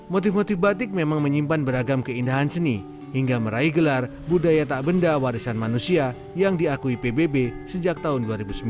motif motif batik memang menyimpan beragam keindahan seni hingga meraih gelar budaya tak benda warisan manusia yang diakui pbb sejak tahun dua ribu sembilan